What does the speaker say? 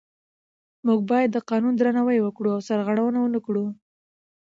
موږ باید د قانون درناوی وکړو او سرغړونه ونه کړو